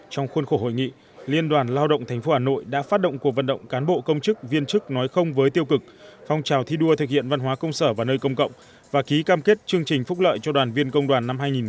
trong khuôn khổ hội nghị liên đoàn lao động thành phố hà nội đã phát động cuộc vận động cán bộ công chức viên chức nói không với tiêu cực phong trào thi đua thực hiện văn hóa công sở và nơi công cộng và ký cam kết chương trình phúc lợi cho đoàn viên công đoàn năm hai nghìn một mươi chín với bốn doanh nghiệp